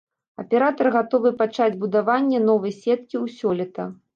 Аператар гатовы пачаць будаванне новай сеткі ў сёлета.